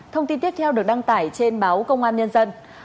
thông tin tiếp theo được đăng tải trên báo công an nhân dân